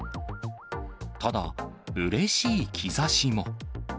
ただ、うれしい兆しも。